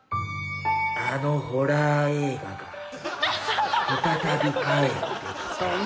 ［あのホラー映画が再び帰ってきた］